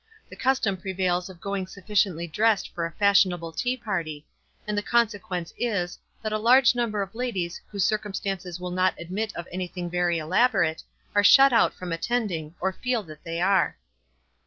The custom prevails of going suf ficiently dressed for a fashionable tea party ; and the consequence is, that a large number of ladies whose circumstances will not admit of anything very elaborate, are shut out from at tending, or feel that they are."